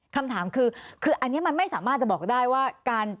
คำถามคืออันนี้มันไม่สามารถจะบอกได้ว่าการ